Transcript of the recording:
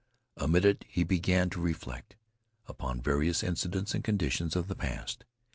Amid it he began to reflect upon various incidents and conditions of the past.